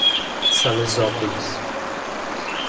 Salesópolis